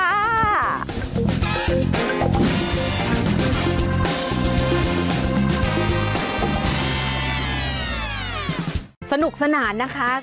ภูมิฟังจริงหละคุณผู้ชมสนานนะคะ